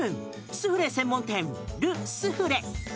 スフレ専門店、ル・スフレ。